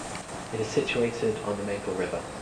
It is situated on the Maple River.